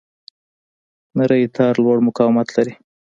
نری تار لوړ مقاومت لري.